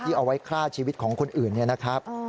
ที่เอาไว้ฆ่าชีวิตของคนอื่นนะครับ